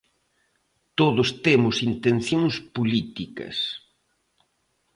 Todos temos intencións políticas.